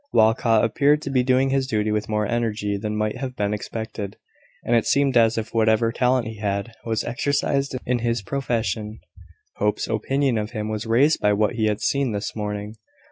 Walcot appeared to be doing his duty with more energy than might have been expected: and it seemed as if whatever talent he had, was exercised in his profession. Hope's opinion of him was raised by what he had seen this morning.